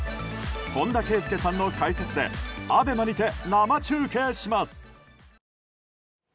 本田圭佑さんの解説でＡＢＥＭＡにて生中継します。